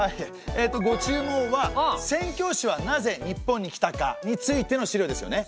えっとご注文は宣教師はなぜ日本に来たか？についての資料ですよね。